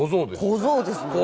小僧ですもんね。